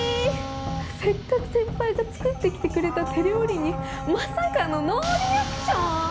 せっかく先輩が作ってきてくれた手料理にまさかのノーリアクション！？